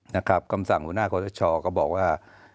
นะครับคำสั่งหัวหน้าคชก็บอกว่า